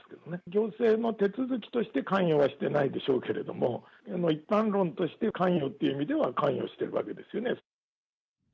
行政の手続きとして関与はしてないでしょうけれども、一般論として関与っていう意味では、関与してるわけですよね。